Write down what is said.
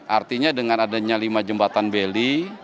artinya dengan adanya lima jembatan beli